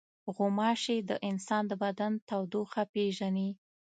غوماشې د انسان د بدن تودوخه پېژني.